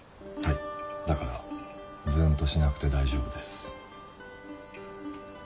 はいだからズンとしなくて大丈夫です。